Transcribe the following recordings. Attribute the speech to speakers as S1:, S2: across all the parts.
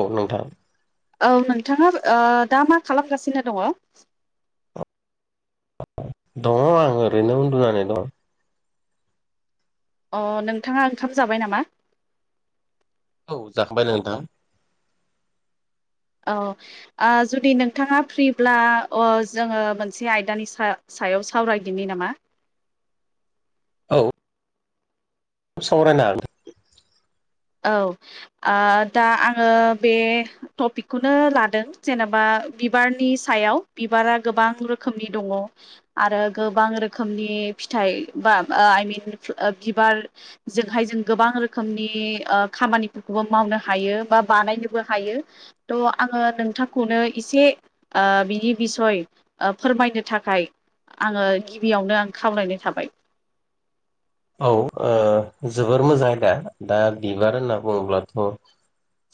S1: औ नोंथां
S2: औ नोंथाङा ओ दा मा खालामगासिनो दङ?
S1: दङ आं ओरैनो उन्दुनानै दं
S2: अ नोंथाङा ओंखाम जाबाय नामा?
S1: औ जाखांबायनो नोंथां
S2: औ ओ जुदि नोंथाङा फ्रिब्ला अ जोङो मोनसे आयदानि सा याव सावरायदिनि नामा
S1: औ सावरायनो हागोन
S2: औ ओ दा आङो बे टपिकखौनो लादों जेनेबा बिबारनि सायाव बिबारा गोबां रोखोमनि दङ आरो गोबां रोखोमनि फिथाइ बा आइमिन बिबारजोंहाय जों गोबां रोखोमनि खामानिफोरखौबो मावनो हायो बा बानायनोबो हायो थ' आङो नोंथांखौनो ससे बिनि बिसय फोरमायनो थाखाय आङो गिबियावनो आं खावलायनाय थाबाय
S1: [inaudible] औ ओ जोबोर मोजां आयदा दा बिबार होनना बुङोब्लाथ'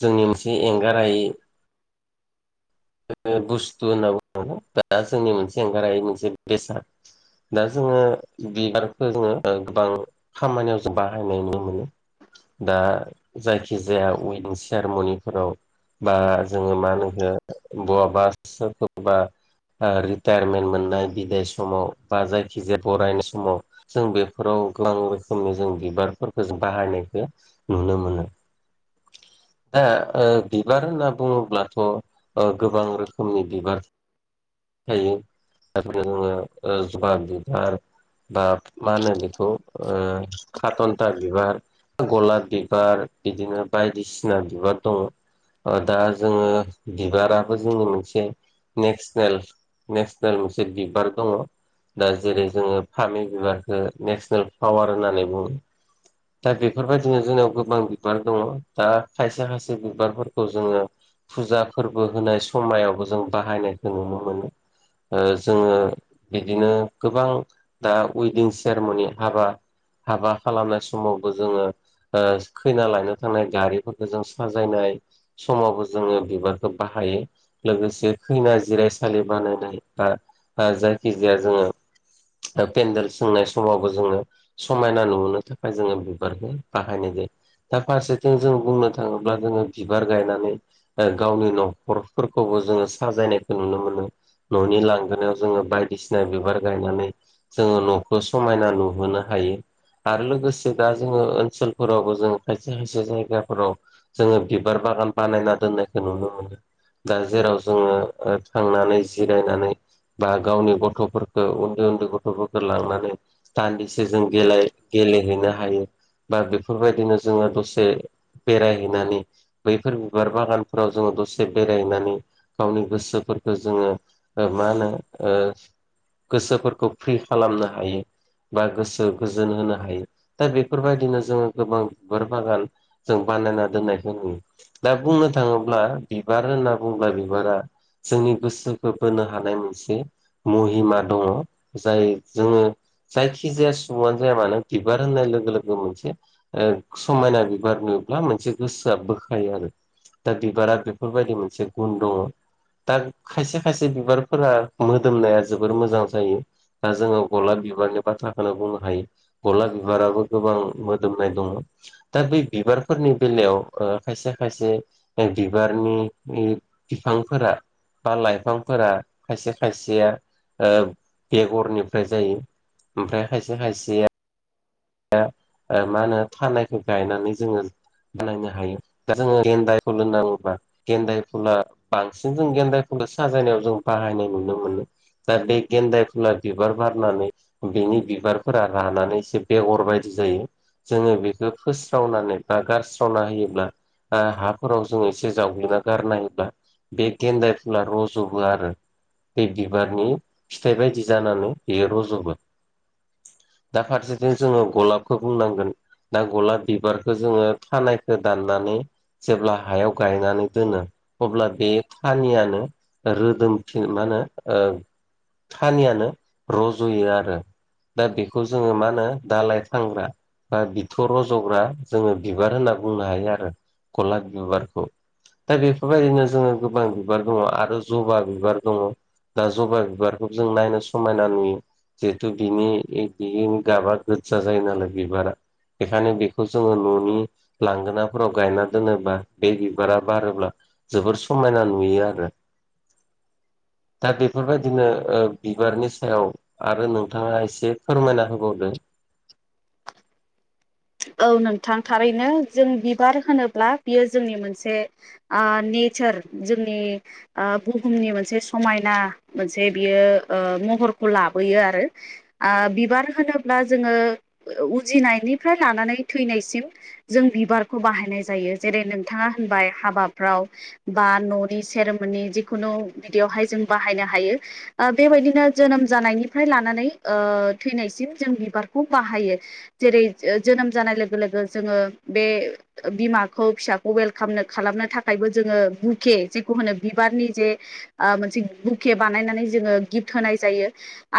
S1: जोंनि मोनसे एंगारहायै बुस्थु होनना बुंनांगौ बा जोंनि मोनसे एंगारहायै मोनसे बेसाद दा जोङो बिबारखौ जोङो गोबां खामानियाव जों बाहायनाय नुनो मोनो। दा जायखि जाया उइदिं चेयारमनिफोराव बा जोङो मा होनो बहाबा सोरखौबा ओ रिटायारमेन्ट मोननाय बिदाइ समाव बा जायखिजाया बरायनाय समाव जों बेफोराव गोबां रोखोमनि जों बिबारफोरखौ जों बाहायनायखौ नुनो मोनो दा ओ बिबार होनना बुङोब्लाथ' ओ गोबां रोखोमनि बिबार थायो दा बिदिनो जोङो ओ जबा बिबार बा मा होनो बेखौ ओ खाथनथा बिबार गलाब बिबार बिदिनो बायदिसिना बिबार दङ दा जोङो बिबाराबो जोंनि मोनसे नेसनेल नेसनेल मोनसे बिबार दङ दा जेरै जोङो फामि बिबारखौ नेसनेल प्लावार होननानै बुङो दा बेफोरबायदिनो जोंनाव गोबां बिबार दङ दा खायसे खायसे बिबारफोरखौ जोङो फुजा फोरबो होनाय समायावबो जों बाहायनायखौ नुनो मोनो ओ जोङो बिदिनो गोबां दा वेदिं सेरेमनि हाबा हाबा खालामनाय समावबो जोङो ओ खैना लायनो थांनाय गारिफोरखौ जों साजायनाय समावबो जोङो बिबार बाहायो लोगोसे खैना जिरायसालि बानायनाय बा ओ जायखिजाया जोङो [unintelligible] पेन्देल सोंनाय समावबो जोङो समायना नुहोनो थाखाय जोङो बिबारखौ बाहायनाय जायो दा फारसेथिं जों बुंनो थाङोब्ला जोङो बिबार गायनानै गावनि न'खरफोरखौबो जोङो साजायनायखौ नुनो मोनो न'नि लांगोनायाव जोङो बायदिसिना बिबार गायनानै जोङो न'खौ समायना नुहोनो हायो हायो आरो लोगोसे दा जोङो ओनसोलफोरावबो जों खायसे खायसे जायगाफोराव जोङो बिबार बा बागान बानायना दोन्नायखौ नुनो मोनो दा जेराव जोङो ओ थांनानै जिरायनानै बा गावनि गथ'फोरखौ उन्दै उन्दै गथ'फोरखौ लांनानै दान्दिसे जों गेलाय गे गेलेहैनो हायो बा बेफोरबायदिनो जोङो दसे बेरायहैनानै बैफोर बिबार बागान फ्राव जोङो दसे बेरायनानै गावनि गोसोफोरखौ जोङो ओ मा होनो ओ गोसोफोरखौ फ्रि खालामनो हायो बा गोसो गोजोन होनो हायो दा बेफोरबादिनो जोङो गोबां बिबार बागान जों बा बानायना दोननायखौ नुयो दा बुंनो थाङोब्ला बिबार होनना बुङोब्ला बिबारा जोंनि गोसोखौ बोनो हानाय मोनसे महिमा दङ जाय जोङो जायखि जाया सुबुङानो जाया मानो बिबार होननाय लोगो लोगो मोनसे ओ समायना बिबार नो ब्ला मोनसे गोसोआ बोखायो आरो दा बिबारा बेफोरबायदि मोनसे गुन दङ दा खायसे खायसे बिबारफोरा मोदोमनाया जोबोर मोजां जायो दा जोङो गलाब बिबारनि बाथ्राखोनो बुंनो हायो गलाब बिबाराबो गोबां मोदोमनाय दङ दा बै बि बिबारफोरनि बेलायाव ओ खायसे खायसे बेल बिबारनि बिफांफोरा बा लाइफांफोरा खायसे खायसेया ओ बेगरनिफ्राय जायो ओमफ्राय खायसे खायसेया ओमा होनो फानायखौ गायनानै जोङो बानायनो हायो दा जोङो गेन्दाय फुल होनना बुङोबा गेन्दाय फुला बांसिन जों गेन्दाय फुल साजायनायाव जों बाहायनाय नुनो मोनो दा बे गेन्दाय फुला बिबार बारनानै बिनि बिबारफोरा रानानैसो बेगर बायदि जायो जोङो बेखौ फोस्रावनानै बा गारस्रावना होयोब्ला ओ हाफोराव जों एसे जावग्लिना गारनायोब्ला बे गेन्दाय फुला रज'बो आरो बे बिबारनि फिथाइ बायदि जानानै बियो रजबो दा फारसेथिं जोङो गलाबखौ बुंनांगोन दा गलाब बिबारखौ जोङो थानायखौ दाननानै जेब्ला हायाव गायनानै दोनो अब्ला बे थानियानो रोदोमफिन माने हो ओं थानियानो रज'यो आरो दा बेखौ जोङो मा होनो दालाइ फानग्रा बा बिथर रज'ग्रा जोङो बिबार होनना बुंनो हायो आरो गलाब बिबारखौ दा बेफोरबायदिनो जोङो गोबां बिबार दङ आरो जबा बिबार दङ दा जबा बिबारखौ जों नायनो समायना नुयो जिहेथु बिनि बि गाबा गोदजा जायो नालाय बिबारा बेखायनो बेखौ जोङो न'नि लांगोनाफोराव गायना दोनोब्ला बे बिबारा बारोब्ला जोबोर समायना नुयो आरो दा बेफोरबायदिनो ओ बिबारनि सायाव आरो नोंथाङा एसे फोरमायना होबावदो
S2: औ नोंथां थारैनो जों बिबार होनोब्ला बियो जोंनि मोनसे आ नेचार जोंनि ओ बुुहुमनि मोनसे समायना मोनसे बियो ओ ने फोरखौ लाबोयो आरो बिबार होनोब्ला जोङो उजिनायनि फ्राय लानानै थैनायसिम जों बिबारखौ बाहायनाय जायो जेरै नोंथाङा होनबाय हाबाफ्राव बा न'नि सेरमोननि जिखुनु बिदियावहाय जों बाहायनो हायो ओ बेबायदिनो जोनोम जानायनिफ्राय लानानै ओ थैनायसिम जों बिबारखौ बाहायो जेरै जोनोम जानाय लोगो लोगो जोङो बे बिमाखौ फिसाखौ वेलकामनो खालामनो थाखाय जोङो बुके जेखौ होनो बिबारनि जे ओ मोनसे बुके बानायनानै गिभ खालामो होनाय जायो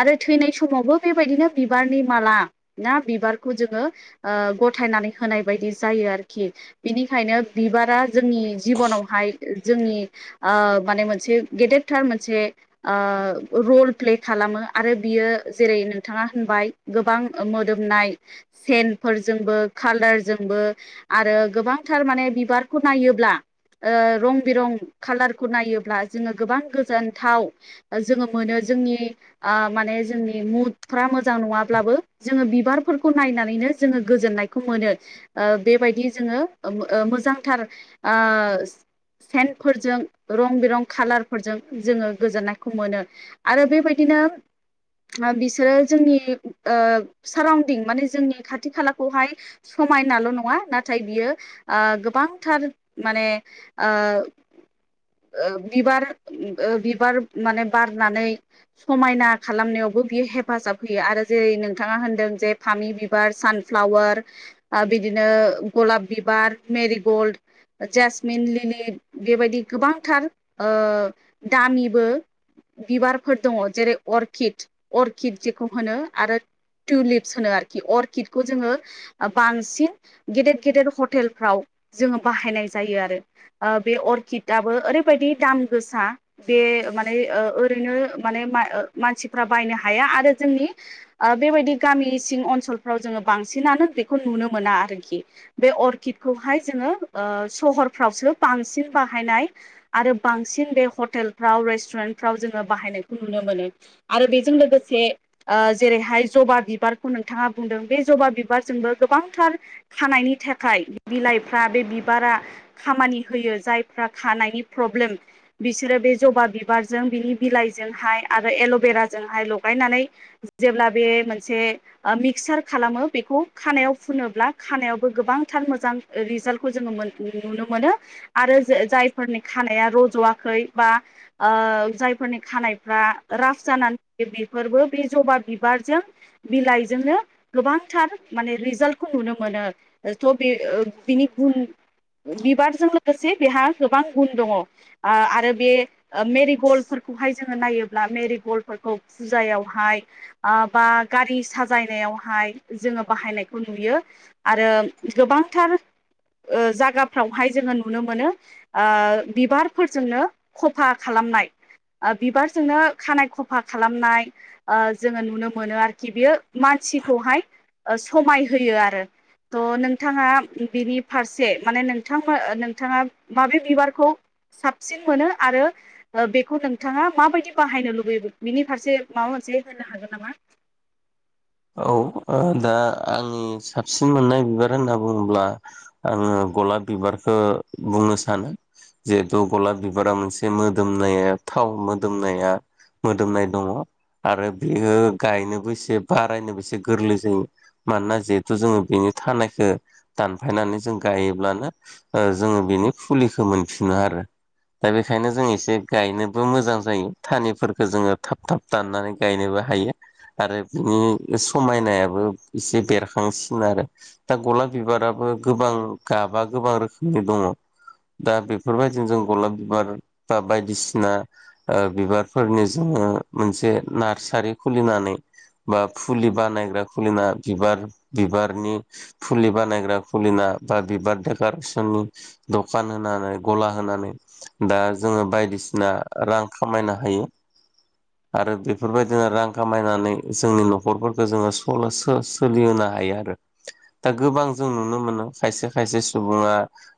S2: आरो थैनाय समावबो बेबायदिनो बिबारनि माला ना बिबारखौ जोङो ओ गथायनानै होनाय बायदि जायो आरोखि बिनिखायनो बिबारा जोंनि जिबनावहाय जोंनि माने मोनसे गेदेरथार मोनसे रल प्ले खालामो आरो बियो जेरै नोंथाङा होनबाय गोबां मोदोमनाय सेनफोरजोंबो कालारजोंबो आरो गोबांथार माने बिबारखौ नायोब्ला ओ रं बिरं खाालारखौ नायोब्ला जोङो गोबां गोजोनथाव जोङो मोनो जोंनि मान जोंनि म मोजां नङाबबो जोङो बिबारफोरखौ नायनानैनो जोङो गोजोननायखौ मोन बेबायदि जोङो मोजांथार आ सेन्टफोरजों रं बिरं खाालारफोरजों जोङो गोजोननायखौ मोनो आरो बेबायदिनो मा बिसोरो जोंनि ओ सारनदिं माने जोंनि खाथि खालाखौहाय समायनाल नङा नाथाय बियो ओ गोबांथार माने आ ओ बिबार ओ बिबार माने बारनानै समायना खालामनायाव बियो हेफाजाब होयो आरो जेरै नोंथाङा होनदों जे फामि बि बिबार सानफ्लावार बिदिनो गलाब बिबार मेरिगल्ड जेसमिन लिलि बेबायदि गोबांथार दामिबो बिबारफोर दङ जेरै अर्किद अर्किद जेखौ होनो आरो टुलिपस होनो आरोखि अर्किदखौ जोङो बांसिन गेदेर गेदेर हटेलफ्राव जोङो बाहायनाय जायो आरो बे अरकिदाबो ओरैबायाददि दाम गोसा बे मान ओनो मने मानसिफोरा बायनो हाया आरो जोंनि बेबायदि गामि सिं बांसिन बेखौ नुनो मोना आरोखि बे अर्किडखौहाय जोङो सहरफ्रावसो बांसिन बाहायनाय आरो बांसिन बे हटेलफ्राव रेस्टुरेन्टफ्राव जोङो बाहनायखौ नुनो मोनो आरो बेजों लोगोसे जेरैहाय जबा बिबारखौ नों बिथाङा बुंदों बे जबा बिबारजोंबो गोबांथार खानायनि थाखाय बिलाइफ्रा बे बिबारा खामानि होयो जायफ्रा खानायनि प्रब्लेम बिसोरो बे जबा बिबारजों बिनि बिलाइजोंहाय आरो एल'बेराजोंहाय लगायनानै जेब्ला बे मोनसे मिक्सार खालामो बेखौ खानायाव फुनोब्ला खानायावबो गोबांथार मोजां रिजाल्टखौ जोङो मोनो नुनो मोनो आरो जायफोरनि खानाया रज'वाखै बा जायफोरनि खानायफ्रा राफ जानानै थायो बेफोरबो बे जबा बिबारजों बिलाइ जोंनो गोबांथार माने रिजाल्टखौ नुनो मोनो थ' बे बिनि गुन बिबारजों लोगोसे बेहा गोबां गुन दङ आरो बे मेरि गल्डफोरखौहाय जोङो नायोब्ला मेरिग्लडफोरखौ फुजायाव हाय बा गारि सा जायनायावहाय जोङो बाहायनायखौ नुयो आरो गोबांथार जागाफ्रावहाय जोङो नुनो मोनो बिबारफोरजोंनो खफा खालाम नाय बिबारजोंनो खानाय खफा खालामनाय जोङो नुनो मोनो आरोखि बेयो मानसिखौहाय समाय होयो आरो थ' नोंथाङा बिनि फारसे माने नोंथां नोंथाङा माबे बिबारखौ साबसिन मोनो आरो बेखौ नोंथाङा माबायदि बाहायनो लुबैयो बिनि फारसे माबा जे होननो हागोन नामा?
S1: [inaudible] औ दा आंनि साबसिन मोननाय बिबार होनना बुङोब्ला आङो गलाब बिबारखौ बुंनो सानो जिहेथु गलाब बिबारा मोनसे मोदोमनाया थाव मोदोमनाया मोदोमनाय दङ आरो बेयो गायनोबो एसे बारायनो एसे गोरलै जायो मानोना जिहेथु जोङो बेनि थानायखौ दानफायनानै जों गायोब्लानो जोङो बेनि फुलिखौ मोनफिनो आरो दा बेखायनो जों एसे गायनोबो मोजां जायो थानिफोरखौ जोङो थाब थाब दाननानै गायनोबो हायो आरो बिनि समायनायाबो एसे बेरखांसिन आरो दा गलाब बिबाराबो गोबां गाबा गोबां रोखोमनि दङ दा बेफोरबायदिनो जों गलाब बिबार बा बायदिसिना ओ बिबारफोरनि जों ओ मोनसे नार्सारि खुलिनानै बा फुलि बानायग्रा खुलिना बिबार बिबारनि फुलि बानायग्रा खुलिना बा बिबार डेकारेसननि दखान होनानै गला होनानै दा जोङो बायदि सिना रां खामायनो हायो। आरो बेफोरबायदिनो रां खामायनानै जोंनि न'खरफोरखौ जोङो सल' सो सोलिहोनो हायो आरो दा गोबां जों नुनो मोनो खायसे खायसे सुबुङा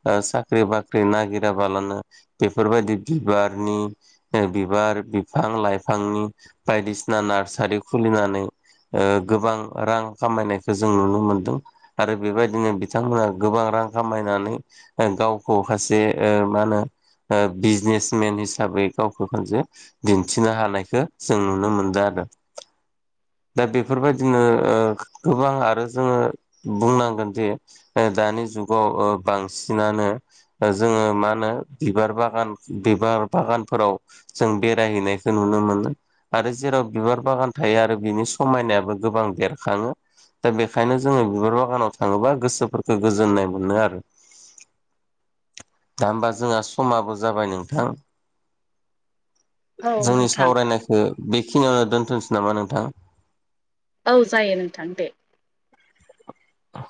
S1: ओ साख्रि बाख्रि नागिराबाला नो बेफोरबायदि बिबारनि बिबार बिफां लाइफांनि बायदिसिना नार्सारि खुलिनानै ओ गोबां रां खामायनायखौ जों नुनो मोनदों। आरो बेबायदिनो बिथांमोना गोबां रां खामायनानै गावखौ हासे ओ मा होनो ओ बिजनेसमेन हिसाबै गावखौ खानसे दिन्थिनो हानायखौ जों नुनो मोनदों आरो [inaudible] दा बेफोरबायदिनो ओ गोबां आरो जोङो बुंनांगोन जे दा नि जुगाव ओ बांसिनानो जोङो मा होनो बिबार बागान बिबार बागानफोराव जों बेरायहैनायखौ नुनो मोनो आरो जेराव बिबार बागान थायो आरो बिनि समायनायाबो गोबां बेरखाङो। दा बेखायनो जोङो बिबार बागानाव थाङोबा गोसोफोरखौ गोजोननाय मोनो आरो दा होमबा जोंहा समाबो जाबाय नोंथां।
S2: औ
S1: जोंनि
S2: नोंथां
S1: सावरायनायखौ बेखिनियावनो दोनथ'सै नामा नोंथां।
S2: औ जायो नोंथां दे।
S1: औ